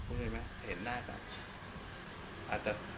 พูดเยอะไหมเห็นหน้าจัง